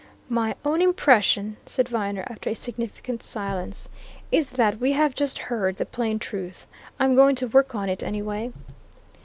"My own impression," said Viner, after a significant silence, "is that we have just heard the plain truth! I'm going to work on it, anyway."